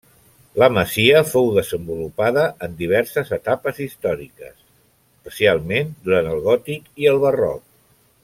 La masia fou desenvolupada en diverses etapes històriques, especialment durant el gòtic i el barroc.